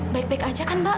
baik baik aja kan mbak